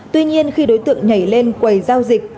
tuy nhiên khi đối tượng nhảy lên quầy giao dịch